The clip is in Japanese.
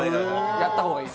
やった方がいい。